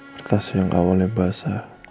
kertas yang awalnya basah